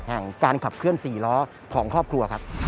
แห่งการขับเคลื่อน๔ล้อของครอบครัวครับ